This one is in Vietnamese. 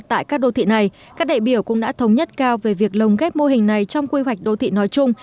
tại các đô thị này các đại biểu cũng đã thống nhất cao về việc lồng ghép mô hình này trong quy hoạch đô thị nói chung